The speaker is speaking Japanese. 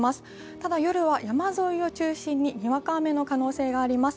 ただ、夜は山沿いを中心ににわか雨の可能性があります。